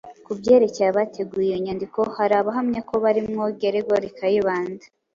Ku byerekeye abateguye iyo nyandiko hari abahamya ko barimwo Geregori Kayibanda